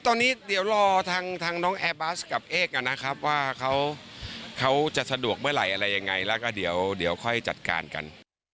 ตอนนี้เดี๋ยวรอทางน้องแอร์บัสกับเอกนะครับว่าเขาจะสะดวกเมื่อไหร่อะไรยังไงแล้วก็เดี๋ยวค่อยจัดการกัน